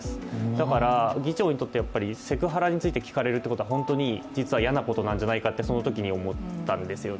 だから、議長にとってセクハラについて聞かれるということは本当に実は嫌なことなんじゃないかなってそのときに思ったんですね。